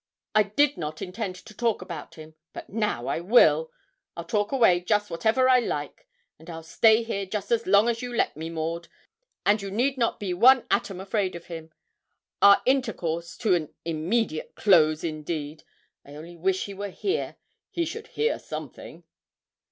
'I did not intend to talk about him, but now I will. I'll talk away just whatever I like; and I'll stay here just as long as you let me, Maud, and you need not be one atom afraid of him. Our intercourse to an "immediate close," indeed! I only wish he were here. He should hear something!'